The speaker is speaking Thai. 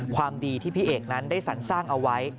ความดีที่พี่เอกนั้นได้สรรสร้างเอาไว้